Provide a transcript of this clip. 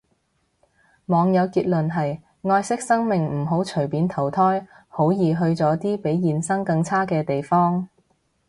網友結論係，愛惜生命唔好隨便投胎，好易去咗啲比現生更差嘅地方